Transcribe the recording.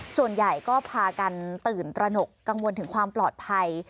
ส่วนใหญ่ก็พากันตื่นตระหนกกังวลถึงความปลอดภัย